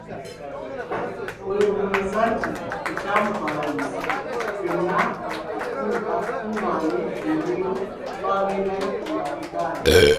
We mbuuliza nti ekyamutwala mu nsiko, ffenna atukungaanye tugendeyo twagendayo ku lwa bibanja?